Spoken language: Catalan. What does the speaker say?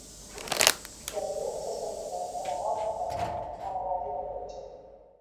Daria s'assabenta de la mort de Mark a la ràdio del cotxe.